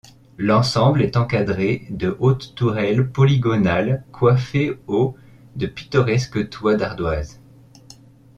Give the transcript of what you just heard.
L'ensemble est encadré de hautes tourelles polygonales coiffées au de pittoresques toits d'ardoise.